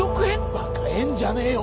バカ円じゃねえよ